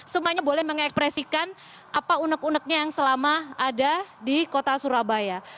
semuanya boleh mengekspresikan apa unek uneknya yang selama ada di kota surabaya